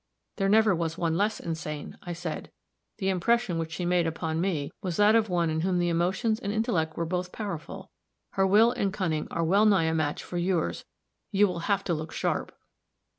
"There never was one less insane," I said. "The impression which she made upon me was that of one in whom the emotions and intellect were both powerful. Her will and cunning are well nigh a match for yours. You will have to look sharp."